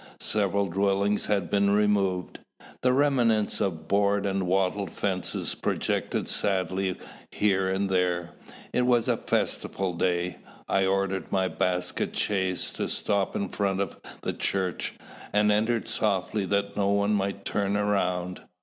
Several dwellings had been removed. The remnants of board and wattled fences projected sadly here and there. It was a festival day. I ordered my basket chaise to stop in front of the church, and entered softly that no one might turn round.